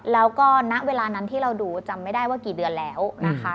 แล้วก็ณเวลานั้นที่เราดูจำไม่ได้ว่ากี่เดือนแล้วนะคะ